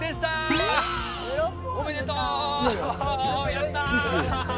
やった！